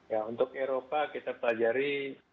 ya untuk eropa kita pelajari